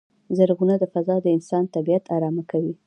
زرغونه فضا د انسان طبیعت ارامه کوی.